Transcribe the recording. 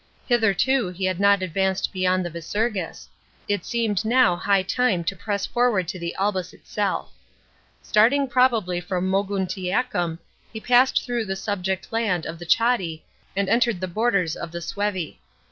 Hitherto he had not advanced beyond the Visurgis ; it seemed now high time to press forward to the Albis itself. Starting probably from Moguntiacum he passed through the subject land of the Chatti and entered the borders of the Suevi.